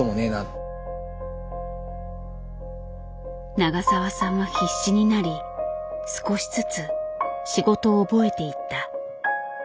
永澤さんは必死になり少しずつ仕事を覚えていった。